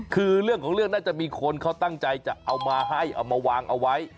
คือเรื่องของเรื่องน่าจะมีคนเขาตั้งใจจะเอามาให้เอามาวางเอาไว้